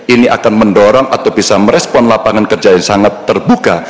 ini akan mendorong atau bisa merespon lapangan kerja yang sangat terbuka